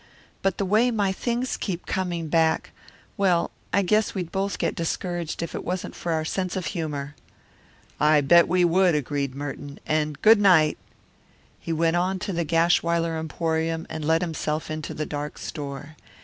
But the way my things keep coming back well, I guess we'd both get discouraged if it wasn't for our sense of humour." "I bet we would," agreed Merton. "And good night!" He went on to the Gashwiler Emporium and let himself into the dark store.